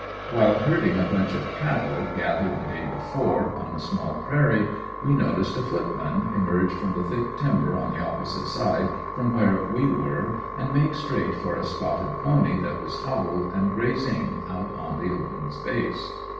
While herding a bunch of cattle, gathered the day before, on a small prairie, we noticed a footman emerge from the thick timber on the opposite side from where we were and make straight for a spotted pony that was "hobbled" and grazing out in the open space.